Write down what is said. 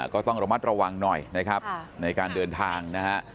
ก็ต้องระมัดระวังหน่อยนะครับในการเดินทางนะฮะ